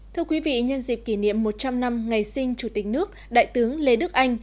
thưa quý vị nhân dịp kỷ niệm một trăm linh năm ngày sinh chủ tịch nước đại tướng lê đức anh